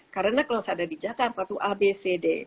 karena kalau saya ada di jakarta itu abcd